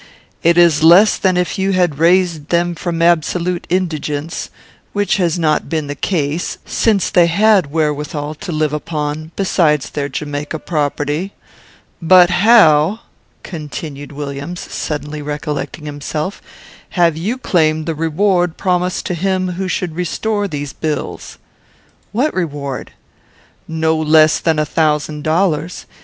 It is less than if you had raised them from absolute indigence, which has not been the case, since they had wherewithal to live upon besides their Jamaica property. But how?" continued Williams, suddenly recollecting himself; "have you claimed the reward promised to him who should restore these bills?" "What reward?" "No less than a thousand dollars.